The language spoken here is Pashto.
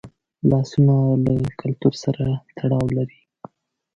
لاسونه له کلتور سره تړاو لري